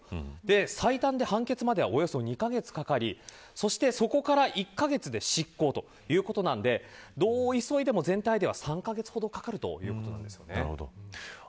最短で判決まではおよそ２カ月かかりそして、そこから１カ月で執行ということなのでどう急いでも、全体では３カ月ほどかかるということです。